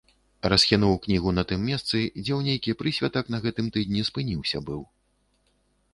Расхінуў кнігу на тым месцы, дзе ў нейкі прысвятак на гэтым тыдні спыніўся быў.